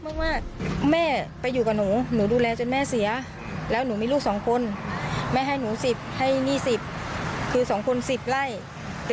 นางสาวสุริวัณภรรยาของผู้เสียชีวิตนางสาวสุริวัณภรรยาของผู้เสียชีวิต